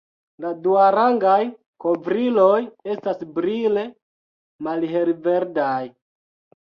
La duarangaj kovriloj estas brile malhelverdaj.